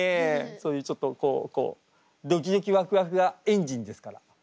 そういうちょっとこうこうドキドキワクワクがエンジンですから。